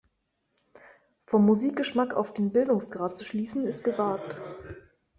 Vom Musikgeschmack auf den Bildungsgrad zu schließen, ist gewagt.